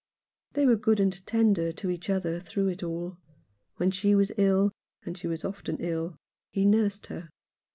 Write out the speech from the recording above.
They were good and tender to each other through it all. When she was ill — and she was often ill — he nursed her.